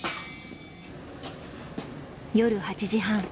夜８時半。